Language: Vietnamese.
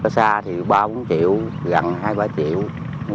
xa thì ba bốn triệu gần hai ba triệu